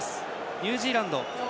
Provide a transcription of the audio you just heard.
ニュージーランド